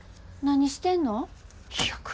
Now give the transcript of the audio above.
何してんの？